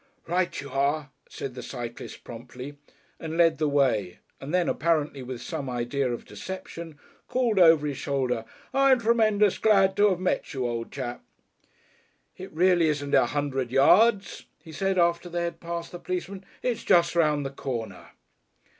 "Right you are," said the cyclist promptly, and led the way, and then, apparently with some idea of deception, called over his shoulder, "I'm tremendous glad to have met you, old chap. "It really isn't a hundred yards," he said after they had passed the policeman, "it's just round the corner."